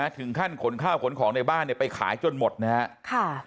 ถึงขั้นขนข้าวขนของในบ้านไปขายจนหมดนะครับ